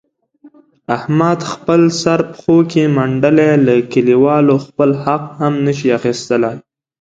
احمد خپل سر پښو کې منډلی، له کلیوالو خپل حق هم نشي اخستلای.